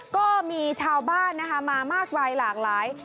ก็มีชาวบ้านนะคะมามากมายหลากหลาย